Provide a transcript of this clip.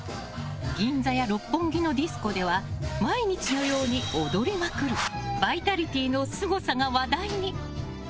銀座や六本木のディスコでは毎日のように踊りまくるバイタリティーのすごさが話題に。